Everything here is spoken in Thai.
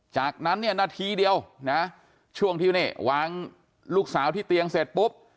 จากนั้นเนี่ยนาทีเดียวนะช่วงที่นี่วางลูกสาวที่เตียงเสร็จปุ๊บ